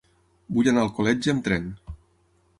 Vull anar a Alcoletge amb tren.